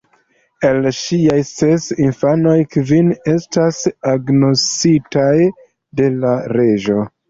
El ŝiaj ses infanoj, kvin estis agnoskitaj de la reĝo.